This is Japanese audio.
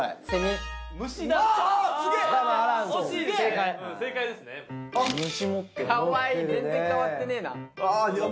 かわいい全然変わってねえな。